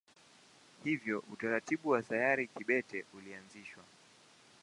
Hivyo utaratibu wa sayari kibete ulianzishwa.